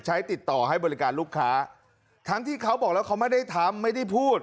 ติดต่อให้บริการลูกค้าทั้งที่เขาบอกแล้วเขาไม่ได้ทำไม่ได้พูด